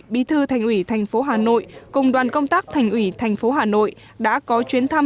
bí thư thành ủy thành phố hà nội cùng đoàn công tác thành ủy thành phố hà nội đã có chuyến thăm